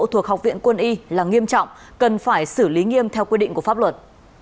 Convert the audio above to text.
thuộc học viện quân y là nghiêm trọng cần phải xử lý nghiêm theo quy định của pháp luật